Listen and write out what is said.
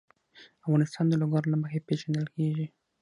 افغانستان د لوگر له مخې پېژندل کېږي.